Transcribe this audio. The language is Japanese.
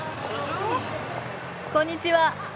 こんにちは。